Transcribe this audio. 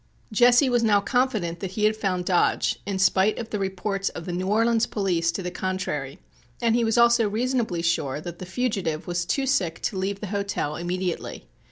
Jesse was now confident that he had found Dodge, in spite of the reports of the New Orleans police to the contrary, and he was also reasonably sure that the fugitive was too sick to leave the hotel immediately.